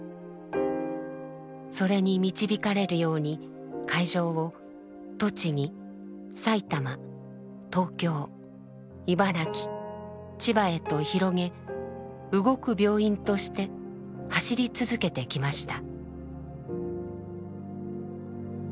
それに導かれるように会場を栃木埼玉東京茨城千葉へと広げ「動く病院」として走り続けてきました。